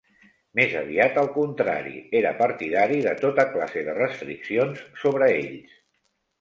Més aviat al contrari, era partidari de tota classe de restriccions sobre ells.